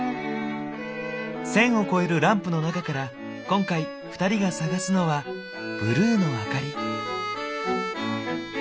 １，０００を超えるランプの中から今回２人が探すのは「ブルーのあかり」。